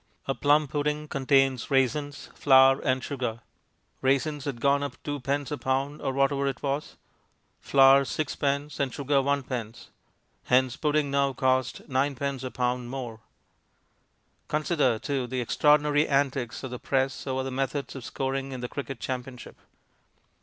A plum pudding contains raisins, flour, and sugar. Raisins had gone up 2d. a pound, or whatever it was, flour 6d., and sugar 1d. Hence the pudding now would cost 9d. a pound more! Consider, too, the extraordinary antics of the press over the methods of scoring in the cricket championship.